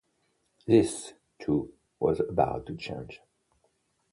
This, too, was about to change.